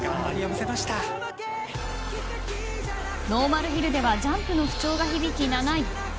ノーマルヒルではジャンプの不調が響き、７位。